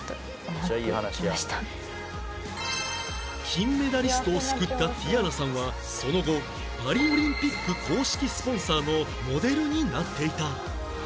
金メダリストを救ったティヤナさんはその後パリオリンピック公式スポンサーのモデルになっていた